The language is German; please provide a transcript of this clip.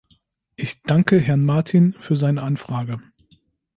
Ich danke Herrn Martin für seine Anfrage.